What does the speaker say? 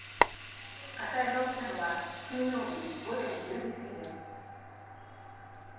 火災が起きたのは金曜日午前１０時過ぎです。